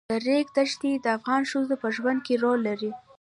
د ریګ دښتې د افغان ښځو په ژوند کې رول لري.